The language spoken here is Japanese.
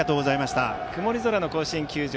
曇り空の甲子園球場